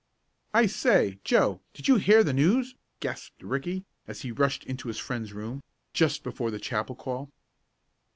"I say, Joe, did you hear the news?" gasped Ricky, as he rushed into his friend's room, just before the chapel call.